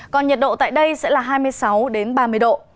còn nhiệt độ tại đây sẽ là hai mươi sáu ba mươi độ